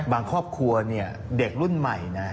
ครอบครัวเนี่ยเด็กรุ่นใหม่นะ